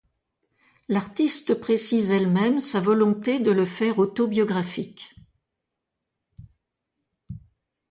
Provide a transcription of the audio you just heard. L'artiste précise elle-même sa volonté de le faire autobiographique.